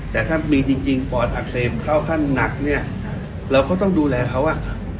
แต่ถ้ามีจริงปอดอักเสบเข้าขั้นหนักเนี่ยเราก็ต้องดูแลเขาอ่ะ